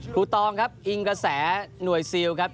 ตองครับอิงกระแสหน่วยซิลครับ